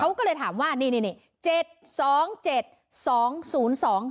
เขาก็เลยถามว่านี่นี่นี่เจ็ดสองเจ็ดสองศูนย์สอง